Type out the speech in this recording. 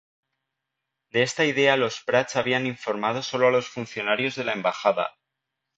De esta idea los Prats habían informado solo a los funcionarios de la embajada.